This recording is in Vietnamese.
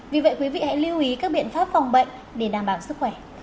vì vậy quý vị hãy lưu ý các biện pháp phòng bệnh để đảm bảo sức khỏe